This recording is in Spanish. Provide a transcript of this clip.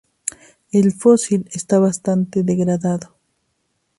El fósil está bastante degradado.